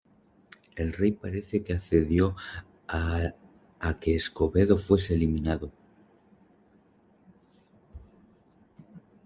El rey parece que accedió a que Escobedo fuese eliminado.